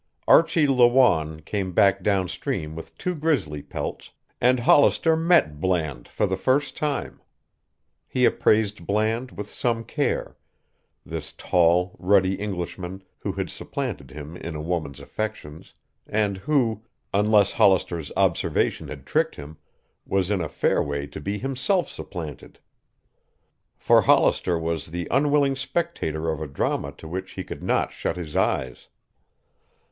Archie Lawanne came back downstream with two grizzly pelts, and Hollister met Bland for the first time. He appraised Bland with some care, this tall, ruddy Englishman who had supplanted him in a woman's affections, and who, unless Hollister's observation had tricked him, was in a fair way to be himself supplanted. For Hollister was the unwilling spectator of a drama to which he could not shut his eyes.